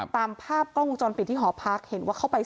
ตามภาพกล้องวงจรปิดที่หอพักเห็นว่าเข้าไป